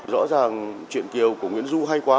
rõ ràng chuyện kiều của nguyễn du hay quá